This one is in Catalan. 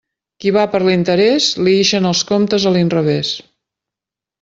Qui va per l'interés, li ixen els comptes a l'inrevés.